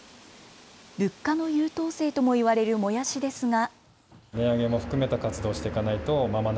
物価の優等生ともいわれるもやしですが。